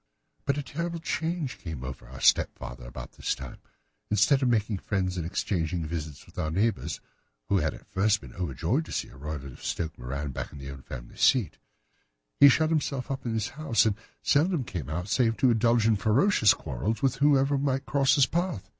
"But a terrible change came over our stepfather about this time. Instead of making friends and exchanging visits with our neighbours, who had at first been overjoyed to see a Roylott of Stoke Moran back in the old family seat, he shut himself up in his house and seldom came out save to indulge in ferocious quarrels with whoever might cross his path.